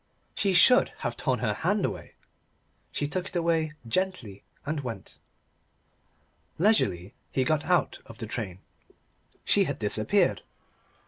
She should have torn her hand away. She took it away gently, and went. Leisurely he got out of the train. She had disappeared.